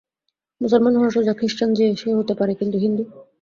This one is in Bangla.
মুসলমান হওয়া সোজা, খ্রীস্টান যে-সে হতে পারে– কিন্তু হিন্দু!